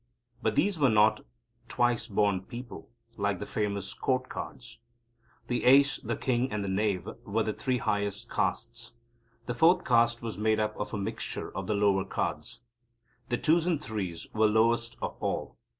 But these were not twice born people, like the famous Court Cards. The Ace, the King, and the Knave were the three highest castes. The fourth Caste was made up of a mixture of the lower Cards. The Twos and Threes were lowest of all.